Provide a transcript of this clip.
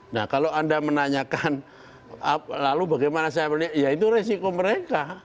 nah kalau anda menanyakan lalu bagaimana saya melihat ya itu resiko mereka